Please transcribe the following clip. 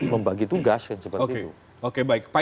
membagi tugas kan seperti itu oke baik pak